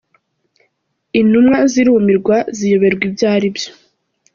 Intumwa zirumirwa ziyoberwa ibyo ari byo.